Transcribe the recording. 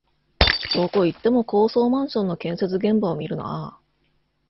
どこ行っても高層マンションの建設現場を見るなあ